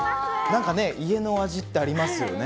なんかね、家の味ってありますよね。